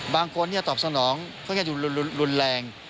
บางคนตอบสนองเขาอย่างง่ายรุนแรง